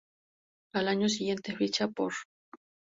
Al año siguiente ficha por St.